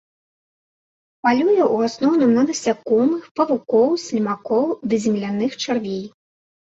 Палюе ў асноўным на насякомых, павукоў, слімакоў ды земляных чарвей.